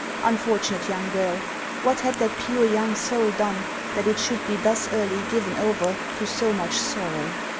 Unfortunate young girl ! What had that pure young soul done that it should be thus early given over to so much sorrow